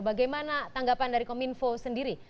bagaimana tanggapan dari kominfo sendiri